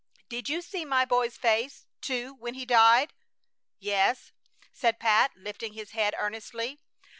Did you see my boy's face, too, when he died?" "Yes," said Pat, lifting his head earnestly.